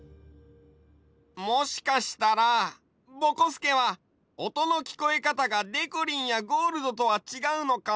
もしかしたらぼこすけはおとのきこえかたがでこりんやゴールドとはちがうのかもよ。